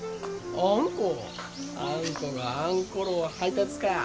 あんこがあんころを配達か。